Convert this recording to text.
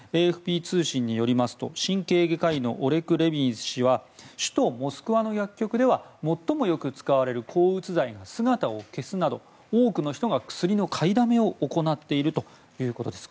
ＡＦＰ通信によりますと神経外科医のオレク・レビン氏は首都モスクワの薬局では最も多く使われる抗うつ剤が姿を消すなど多くの人が薬の買いだめを行っているということです。